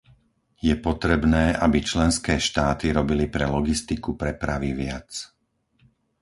Je potrebné, aby členské štáty robili pre logistiku prepravy viac .